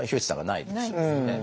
ないんですね。